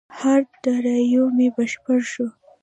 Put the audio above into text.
هارد ډرایو مې بشپړ شو.